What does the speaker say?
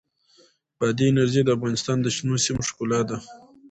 بادي انرژي د افغانستان د شنو سیمو ښکلا ده.